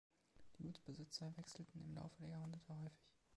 Die Gutsbesitzer wechselten im Laufe der Jahrhunderte häufig.